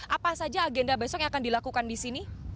apa saja agenda besok yang akan dilakukan di sini